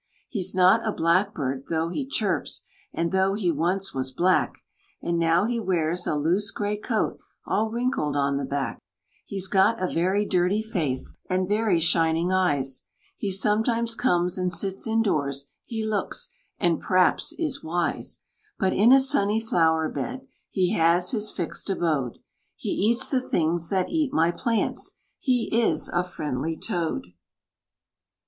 He's not a Blackbird, though he chirps, And though he once was black; And now he wears a loose grey coat, All wrinkled on the back. He's got a very dirty face, And very shining eyes! He sometimes comes and sits indoors; He looks and p'r'aps is wise. But in a sunny flower bed He has his fixed abode; He eats the things that eat my plants He is a friendly TOAD.